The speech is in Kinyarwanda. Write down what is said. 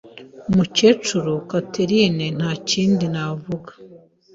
Umukecuru Catherine, Nta kindi navuga.